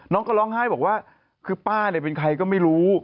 น้องก็ร้องไห้บอกว่าคือป้าเนี่ยเป็นใครก็ไม่รู้